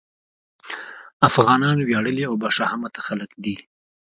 افغانان وياړلي او باشهامته خلک دي.